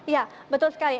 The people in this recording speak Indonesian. ya betul sekali